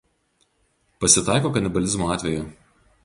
Pasitaiko kanibalizmo atvejų.